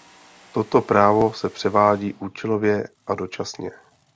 Toto právo se převádí účelově a dočasně.